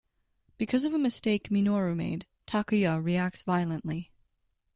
Because of a mistake Minoru made, Takuya reacts violently.